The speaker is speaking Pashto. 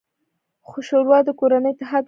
ښوروا د کورني اتحاد نښه ده.